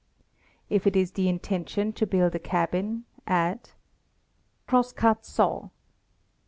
If it is the intention to build a cabin, add : Crosscut saw.